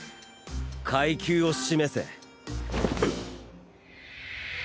階級を示せ。